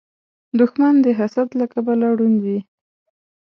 دښمن د حسد له کبله ړوند وي